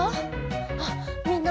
あっみんな！